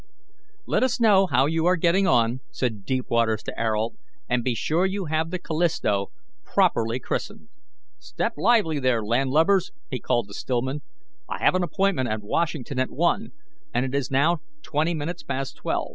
"Let us know how you are getting on," said Deepwaters to Ayrault, "and be sure you have the Callisto properly christened. Step lively there, landlubbers!" he called to Stillman; "I have an appointment at Washington at one, and it is now twenty minutes past twelve.